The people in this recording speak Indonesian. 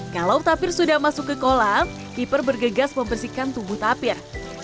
kalau tapir sudah masuk ke kolam keeper bergegas membersihkan tubuh tapir